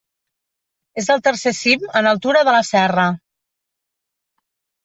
És el tercer cim en altura de la serra.